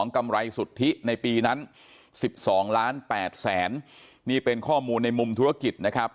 กำไรสุทธิในปีนั้น๑๒ล้าน๘แสนนี่เป็นข้อมูลในมุมธุรกิจนะครับ